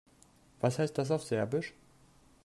Was heißt das auf Serbisch?